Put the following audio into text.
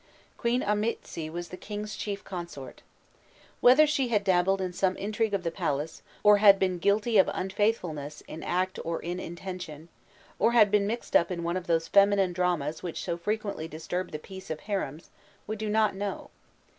Queen Amîtsi was the king's chief consort. Whether she had dabbled in some intrigue of the palace, or had been guilty of unfaithfulness in act or in intention, or had been mixed up in one of those feminine dramas which so frequently disturb the peace of harems, we do not know.